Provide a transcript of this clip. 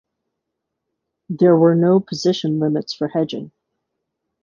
There were no position limits for hedging.